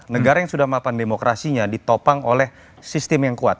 negara yang sudah mapan demokrasinya ditopang oleh sistem yang kuat